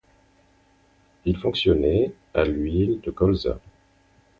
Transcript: Il fonctionnait à l'huile de colza.